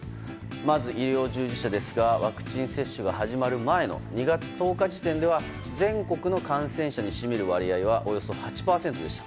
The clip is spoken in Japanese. まず医療従事者ですがワクチン接種が始まる前の２月１０日時点では全国の感染者に占める割合はおよそ８％でした。